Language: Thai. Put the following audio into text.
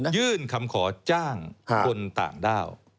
ยื่นคำขอจ้างคนต่างด้าว